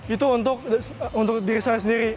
itu untuk diri saya sendiri